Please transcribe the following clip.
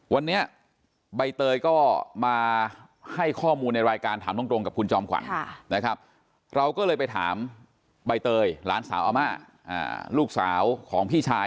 วันนี้ใบเตยก็มาให้ข้อมูลในรายการถามตรงกับคุณจอมขวัญนะครับเราก็เลยไปถามใบเตยหลานสาวอาม่าลูกสาวของพี่ชาย